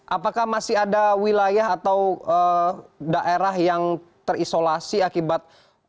apakah masih ada wilayah atau daerah yang terisolasi akibat